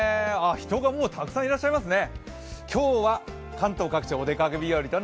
人がもうたくさんいらっしゃいますね。